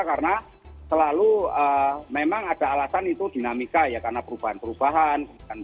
karena selalu memang ada alasan itu dinamika ya karena perubahan perubahan